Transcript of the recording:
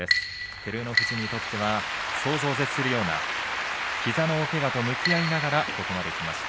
照ノ富士にとっては想像を絶するような膝の大けがと向き合いながらここまできました。